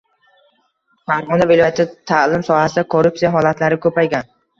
Farg‘ona viloyatida ta’lim sohasida korrupsiya holatlari ko‘paygan